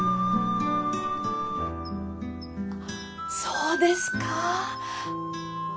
そうですか。